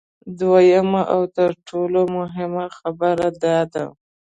دویمه او تر ټولو مهمه خبره دا ده